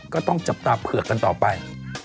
ก็ต้องจับตาเผือกกันต่อไป